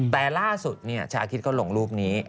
แต่ล่าสุดชาคิดเขาลงรูปนี้